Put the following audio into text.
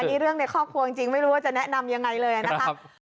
นี่เรื่องในครอบครัวจริงไม่รู้ว่าจะแนะนำยังไงเลยนะครับ